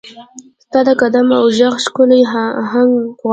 ستا د قدم او ږغ، ښکلې اهنګ غواړي